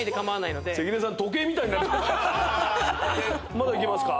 まだいけますか？